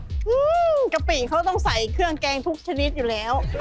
อืมกะปิเขาต้องใส่เครื่องแกงทุกชนิดอยู่แล้ว